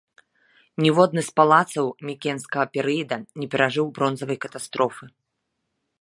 Ніводны з палацаў мікенскага перыяду не перажыў бронзавай катастрофы.